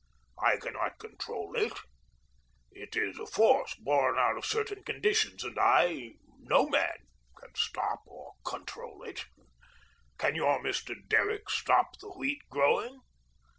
I can not control it. It is a force born out of certain conditions, and I no man can stop it or control it. Can your Mr. Derrick stop the Wheat growing?